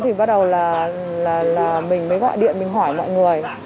thì bắt đầu là mình mới gọi điện mình hỏi mọi người